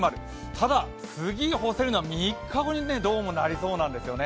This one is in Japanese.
ただ、次に干せるのは３日後に、どうもなりそうなんですよね。